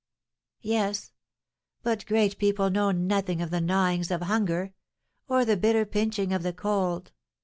"Yes; but great people know nothing of the gnawings of hunger, or the bitter pinching of the cold.